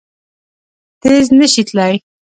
تېز نه شي تلای!